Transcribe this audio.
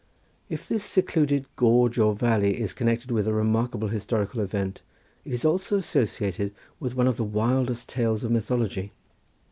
If this secluded gorge or valley is connected with a remarkable historical event it is also associated with one of the wildest tales of mythology.